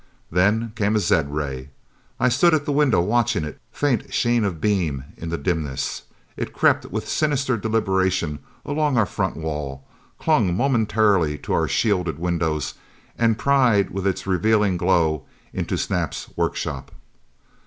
Then came a zed ray. I stood at the window, watching it, faint sheen of beam in the dimness; it crept with sinister deliberation along our front wall, clung momentarily to our shielded windows, and pried with its revealing glow into Snap's workshop.